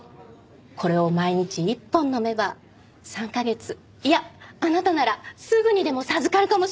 これを毎日１本飲めば３カ月いやあなたならすぐにでも授かるかもしれない！